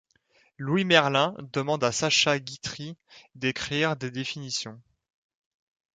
Louis Merlin demande à Sacha Guitry d'écrire des définitions.